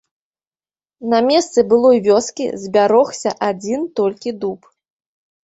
На месцы былой вёскі збярогся адзін толькі дуб.